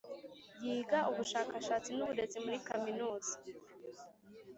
Yiga ubushakashatsi n uburezi muri Kaminuza